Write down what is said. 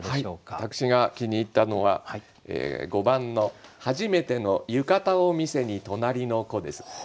私が気に入ったのは５番の「はじめての浴衣を見せに隣の子」です。